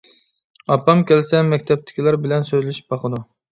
ئاپام كەلسە مەكتەپتىكىلەر بىلەن سۆزلىشىپ باقىدۇ.